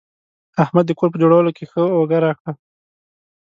احمد د کور په جوړولو کې ښه اوږه راکړه.